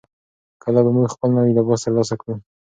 کله به موږ خپل نوی لباس ترلاسه کړو؟